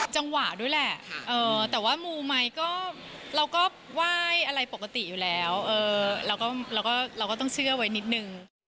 จังหวะด้วยแหละแต่ว่ามูไหมก็เราก็ไหว้อะไรปกติอยู่แล้วเราก็ต้องเชื่อไว้นิดนึง